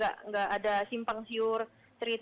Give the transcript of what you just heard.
nggak ada simpang siur cerita